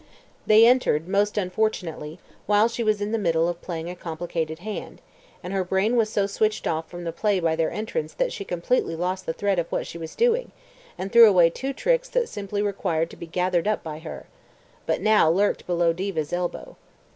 They entered, most unfortunately, while she was in the middle of playing a complicated hand, and her brain was so switched off from the play by their entrance that she completely lost the thread of what she was doing, and threw away two tricks that simply required to be gathered up by her, but now lurked below Diva's elbow.